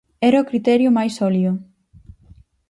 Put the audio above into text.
Era o criterio máis sólido.